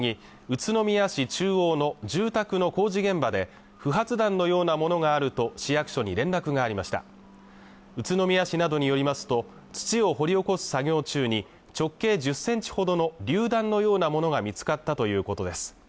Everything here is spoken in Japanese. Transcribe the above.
宇都宮市中央の住宅の工事現場で不発弾のようなものがあると市役所に連絡がありました宇都宮市などによりますと土を掘り起こす作業中に直径１０ｃｍほどの榴弾のようなものが見つかったということです